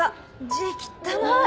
字きったな。